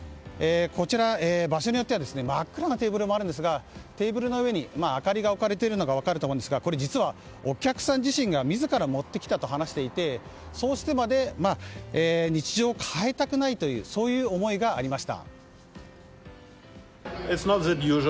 場所によっては真っ暗なテーブルもあるんですがテーブルの上に明かりが置かれているのが分かると思うんですがこれ、実はお客さん自身が自ら持ってきたと話していて、そうしてまで日常を変えたくないというそういう思いがありました。